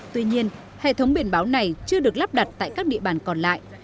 tuy nhiên hệ thống biển báo này chưa được lắp đặt tại các địa bàn còn lại